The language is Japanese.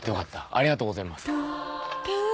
ありがとうございます。